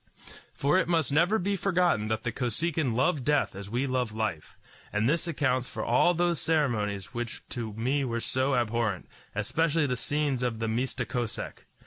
For it must never be forgotten that the Kosekin love death as we love life; and this accounts for all those ceremonies which to me were so abhorrent, especially the scenes of the Mista Kosek.